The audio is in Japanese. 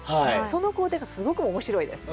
その工程がすごく面白いです。